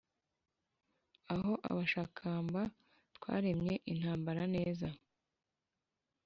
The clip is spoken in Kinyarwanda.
aho abashakamba twaremye intambara neza